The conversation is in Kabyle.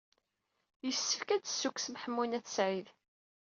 Yessefk ad d-tessukksem Ḥemmu n At Sɛid.